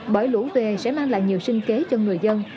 bởi lũ về sẽ mang lại nhiều sinh kế cho người dân